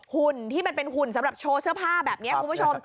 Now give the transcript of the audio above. หุ่นที่มันเป็นหุ่นสำหรับโชว์เสื้อผ้าแบบนี้คุณผู้ชม